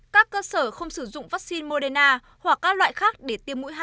các cơ sở không sử dụng vaccine moderna hoặc các loại khác để tiêm mũi hai